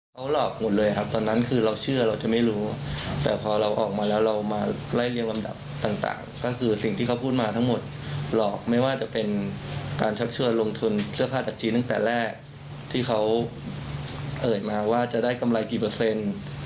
เขาหลอกหมดเลยครับตอนนั้นคือเราเชื่อเราจะไม่รู้แต่พอเราออกมาแล้วเรามาไล่เรียงลำดับต่างก็คือสิ่งที่เขาพูดมาทั้งหมดหลอกไม่ว่าจะเป็นการชักชวนลงทุนเสื้อผ้าจากจีนตั้งแต่แรกที่เขาเอ่ยมาว่าจะได้กำไรกี่เปอร์เซ็นต์